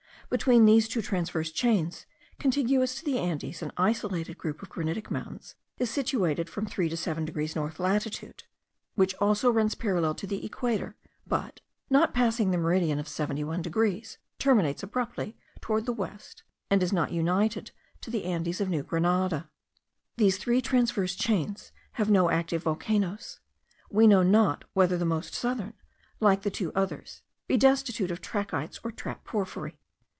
Between these two transverse chains, contiguous to the Andes, an isolated group of granitic mountains is situated, from 3 to 7 degrees north latitude; which also runs parallel to the Equator, but, not passing the meridian of 71 degrees, terminates abruptly towards the west, and is not united to the Andes of New Grenada. These three transverse chains have no active volcanoes; we know not whether the most southern, like the two others, be destitute of trachytes or trap porphyry.